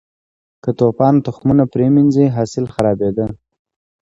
که توپان تخمونه پرې منځي، حاصل خرابېده.